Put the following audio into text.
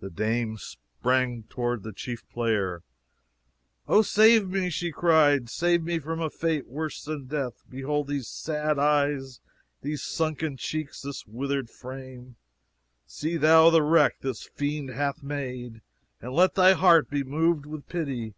The dame sprang toward the chief player. "O, save me!" she cried; "save me from a fate far worse than death! Behold these sad eyes, these sunken cheeks, this withered frame! See thou the wreck this fiend hath made, and let thy heart be moved with pity!